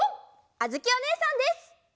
あづきおねえさんです！